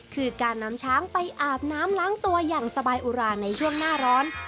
คือการนำช้างไปอาบน้ำล้างตัวอย่างสบายอุราในช่วงหน้าร้อน